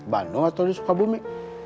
bandung atau di sukabumi